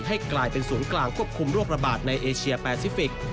ให้กลายเป็นศูนย์กลางควบคุมโรคระบาดในเอเชียแปซิฟิกส์